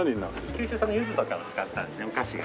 九州産の柚子とかを使ったお菓子が。